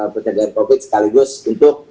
penyelidikan covid sekaligus untuk